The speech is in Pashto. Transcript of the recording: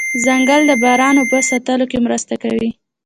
ځنګل د باران اوبو ساتلو کې مرسته کوي